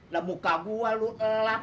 dan muka kamu telah gelap